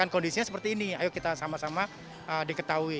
kondisinya seperti ini ayo kita sama sama diketahui